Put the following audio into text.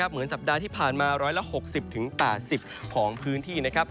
เหมือนสัปดาห์ที่ผ่านมา๑๖๐๘๐ของพื้นที่นะครับ